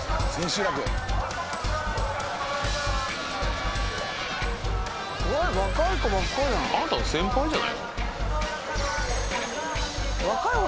あなたの先輩じゃないの？